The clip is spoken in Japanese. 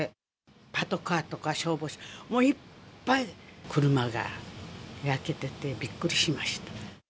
パトカーとか消防車、もういっぱい、車が焼けてて、びっくりしました。